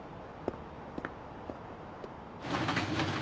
あっ！